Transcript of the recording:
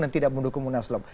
dan tidak mendukung munaslup